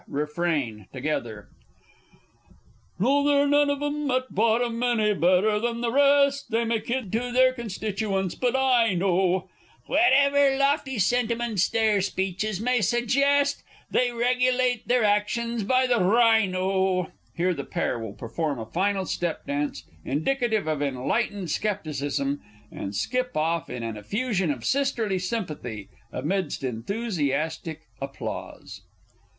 Refrain (together). No, they're none of 'em at bottom any better than the rest! They may kid to their constituents but I know; Whatever lofty sentiments their speeches may suggest, They regulate their actions by the Rhino! [_Here the pair will perform a final step dance, indicative of enlightened scepticism, and skip off in an effusion of sisterly sympathy, amidst enthusiastic applause.